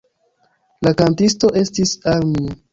La kantisto estis Amir.